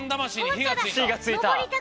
ひがついた！